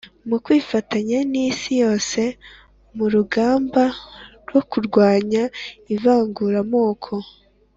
mukwifatanya n'isi yose mu rugamba rwo kurwanya ivanguramoko